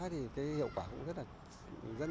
thì hiệu quả cũng rất tích cực